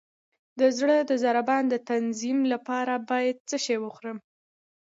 د زړه د ضربان د تنظیم لپاره باید څه شی وخورم؟